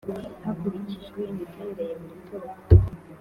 hakurikijwe imiterere ya buri bwoko